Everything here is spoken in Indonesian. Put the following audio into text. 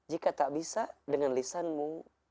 jika tak bisa dengan lisanmu